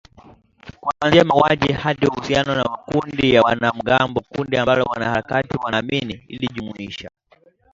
kuanzia mauaji hadi uhusiano na makundi ya wanamgambo kundi ambalo wanaharakati wanaamini lilijumuisha